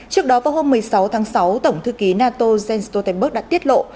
trước đó vào hôm một mươi sáu tháng sáu tổng thư ký nato jens stoltenberg đã tiết lộ